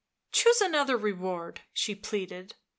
11 Choose another reward, 77 she pleaded.